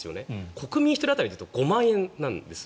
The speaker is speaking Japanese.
国民１人当たりで言うと５万円なんです。